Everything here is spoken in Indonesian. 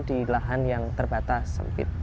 di lahan yang terbatas sempit